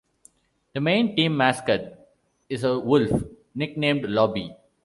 The main team mascot is a wolf, nicknamed Lobby.